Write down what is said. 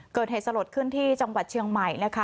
เกิดเหตุสลดขึ้นที่จังหวัดเชียงใหม่นะคะ